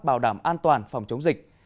bảo đảm an toàn phòng chống dịch